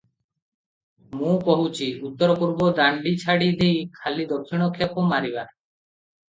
ମୁଁ କହୁଛି, ଉତ୍ତର ପୂର୍ବ ଦାଣ୍ଡି ଛାଡ଼ି ଦେଇ ଖାଲି ଦକ୍ଷିଣ ଖେପ ମାରିବା ।